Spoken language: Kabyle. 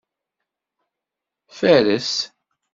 Fares.